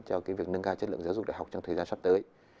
cho việc nâng cao chất lượng giáo dục đại học trong thời gian sắp tới